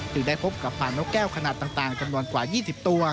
จึงได้พบกับป่านกแก้วขนาดต่างจำนวนกว่า๒๐ตัว